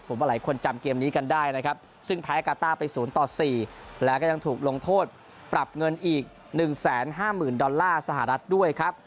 ผมว่าหลายคนจำเกมนี้กันได้นะครับซึ่งแพ้กาต้าไป๐ต่อ๔แล้วก็ยังถูกลงโทษปรับเงินอีก๑๕๐๐๐ดอลลาร์สหรัฐด้วยครับ